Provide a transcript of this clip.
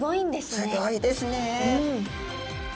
すギョいですね。